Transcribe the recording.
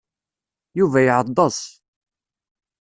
Yuba iɛeḍḍes.